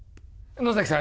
野崎さん